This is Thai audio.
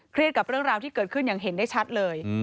กับเรื่องราวที่เกิดขึ้นอย่างเห็นได้ชัดเลย